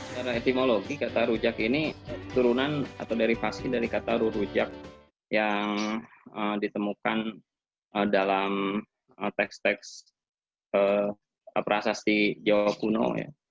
secara etimologi kata rujak ini turunan atau dari fasi dari kata ru rujak yang ditemukan dalam teks teks prasasti jawa kuno ya